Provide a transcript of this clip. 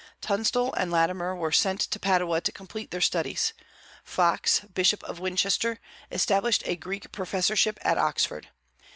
Tunstall and Latimer were sent to Padua to complete their studies. Fox, bishop of Winchester, established a Greek professorship at Oxford.